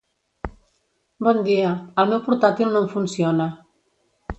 Bon dia, el meu portàtil no em funciona.